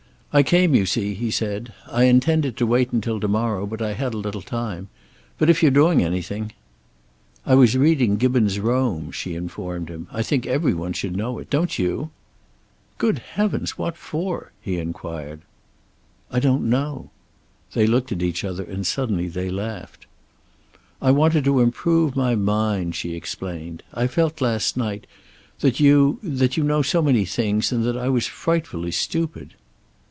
"I came, you see," he said. "I intended to wait until to morrow, but I had a little time. But if you're doing anything " "I was reading Gibbon's 'Rome,'" she informed him. "I think every one should know it. Don't you?" "Good heavens, what for?" he inquired. "I don't know." They looked at each other, and suddenly they laughed. "I wanted to improve my mind," she explained. "I felt, last night, that you that you know so many things, and that I was frightfully stupid."